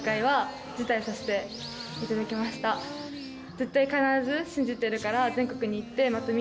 絶対必ず信じてるから。